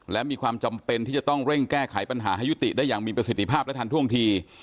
และมีความจำเป็นที่จะต้องเร่งแก้ไขปัญหาให้ยุติได้อย่างมีประสิทธิภาพและทันท่วงที